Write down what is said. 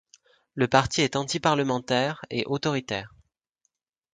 Le parti est anti-parlementaire et autoritaire.